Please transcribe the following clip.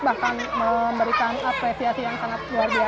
bahkan memberikan apresiasi yang sangat luar biasa